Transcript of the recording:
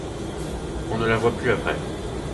On ne la voit plus après.